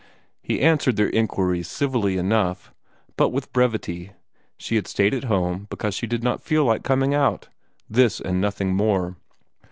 He answered their inquiries civilly enough, but with brevity: she had stayed at home because she did not feel like coming out this and nothing more.